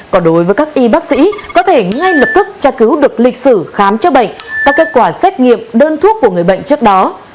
còn đối với các y bác sĩ có thể ngay lập tức tra cứu được lịch sử khám chữa bệnh các kết quả xét nghiệm đơn thuốc của người bệnh trước đó